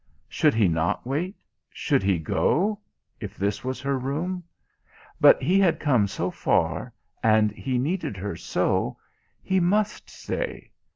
Should he not wait should he go if this was her room? But he had come so far, and he needed her so he must stay.